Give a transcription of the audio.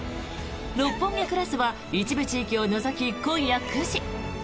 「六本木クラス」は一部地域を除き、今夜９時。